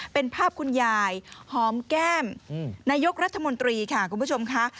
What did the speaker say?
เป็นภาพคุณยายหอมแก้มนายกรัฐมนตรีค่ะคุณผู้ชมค่ะ